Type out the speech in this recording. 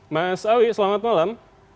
mas awi selamat malam